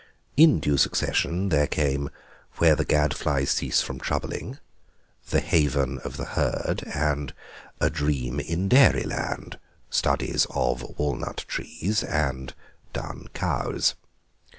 In due succession there came "Where the Gad Flies Cease from Troubling," "The Haven of the Herd," and "A dream in Dairyland," studies of walnut trees and dun cows.